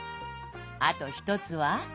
あと一つは。